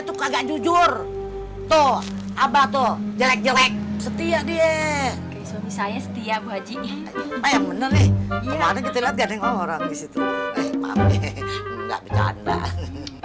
tuh kagak jujur tuh abad oh jelek jelek setia dia kayak suami saya setia wajib yang bener nih